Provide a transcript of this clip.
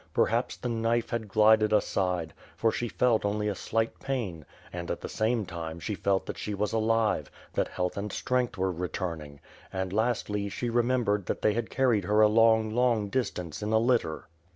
Perhaps the knife had glided aside, for she felt only a slight pain; and, at the same time, she felt that she was alive, that health and strength were returning; and, lastly, she remembered that they had carried her a long, long distance in a litter.